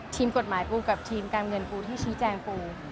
ทีมกฎหมายปูกับทีมการเงินปูที่ชี้แจงปู